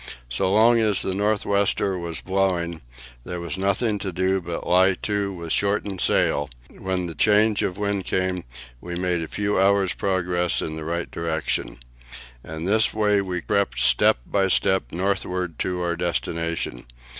So long as the north wester was blowing, there was nothing to do but to lie to with shortened sail; when the change of wind came, we made a few hours' progress in the right direction. In this way we crept step by step northward to our destination.